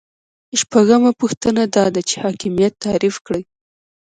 شپږمه پوښتنه دا ده چې حاکمیت تعریف کړئ.